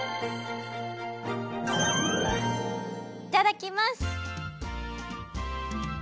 いただきます！